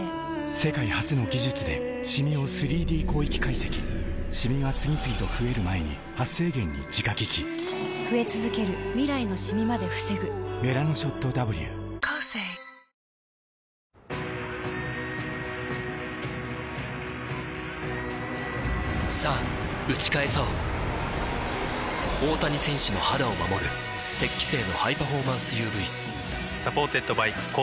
世界初の技術でシミを ３Ｄ 広域解析シミが次々と増える前に「メラノショット Ｗ」さぁ打ち返そう大谷選手の肌を守る「雪肌精」のハイパフォーマンス ＵＶサポーテッドバイコーセー